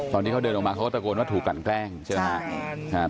ตอนที่เขาเดินออกมาเขาก็ตะโกนว่าถูกกันแกล้งใช่ไหมครับ